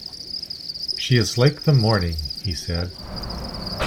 "She is like the morning," he said.